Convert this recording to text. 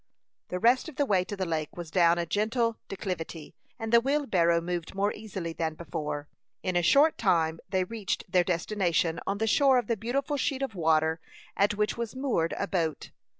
The rest of the way to the lake was down a gentle declivity, and the wheelbarrow moved more easily than before. In a short time they reached their destination, on the shore of the beautiful sheet of water at which was moored a boat.